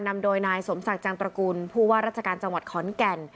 นำโดยนายสมศักดิ์จังตระกูลผู้ว่าราชการจังหวัดขอนแก่น